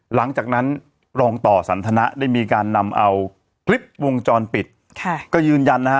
หลังจากนั้นรองต่อสันทนะได้มีการนำเอาคลิปวงจรปิดค่ะก็ยืนยันนะฮะ